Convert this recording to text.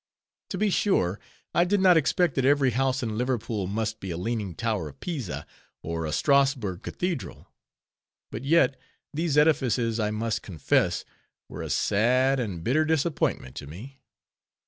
To be sure, I did not expect that every house in Liverpool must be a Leaning Tower of Pisa, or a Strasbourg Cathedral; but yet, these edifices I must confess, were a sad and bitter disappointment to me.